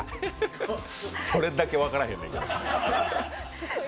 それだけ分からへんねん。